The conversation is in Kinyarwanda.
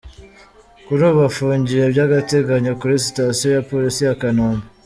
Kuri ubu afungiye by’agateganyo kuri Sitasiyo ya Polisi ya Kanombe.